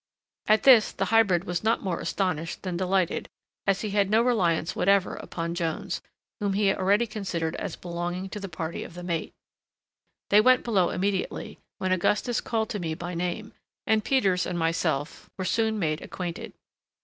At this the hybrid was not more astonished than delighted, as he had no reliance whatever upon Jones, whom he already considered as belonging to the party of the mate. They went below immediately, when Augustus called to me by name, and Peters and myself were soon made acquainted.